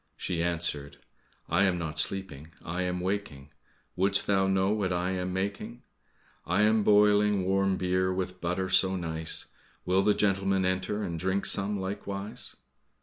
She answered, "I am not sleeping, I am waking, Wouldst thou know what I am making? I am boiling warm beer with butter so nice, Will the gentleman enter and drink some likewise?"